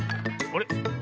あれ？